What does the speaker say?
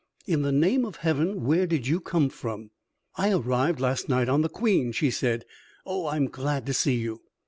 "In the name of Heaven, where did you come from?" "I arrived last night on the Queen," she said. "Oh, I'm glad to see you!"